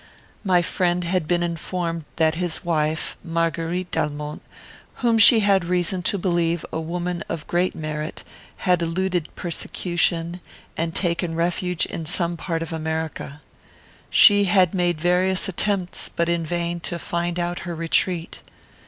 My friend had been informed that his wife, Marguerite d'Almont, whom she had reason to believe a woman of great merit, had eluded persecution, and taken refuge in some part of America. She had made various attempts, but in vain, to find out her retreat.